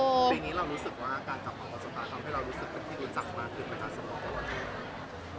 ทีนี้เรารู้สึกว่าการกลับมาทำให้เรารู้สึกเป็นที่รู้จักมากขึ้น